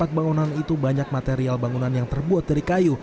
dan di empat bangunan ini juga banyak material bangunan yang terbuat dari kayu